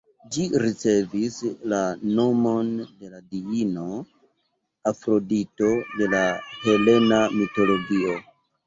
Ĝi ricevis la nomon de la diino Afrodito de la helena mitologio.